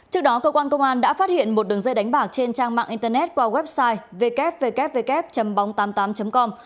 trước đó cơ quan công an đã phát hiện một đường dây đánh bạc trên trang mạng internet qua website www tám mươi tám com